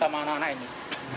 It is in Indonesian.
saya bawa sepeda motor